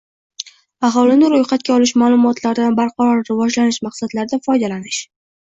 Aholini ro‘yxatga olish ma’lumotlaridan barqaror rivojlanish maqsadlarida foydalanish